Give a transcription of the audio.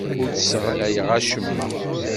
Ur d-sseɣlayeɣ acemma.